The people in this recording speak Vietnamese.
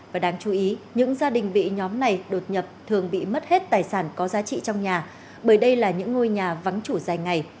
và đáng chú ý những gia đình bị nhóm này đột nhập thường bị mất hết tài sản có giá trị trong nhà bởi đây là những ngôi nhà vắng chủ dài ngày